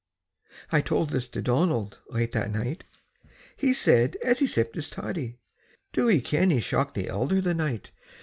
'" I told this to Donald late that night; He said, as he sipped his toddy, "Do ye ken ye shocked the elder the night?